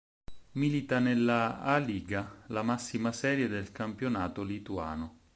Milita nella "A Lyga", la massima serie del campionato lituano.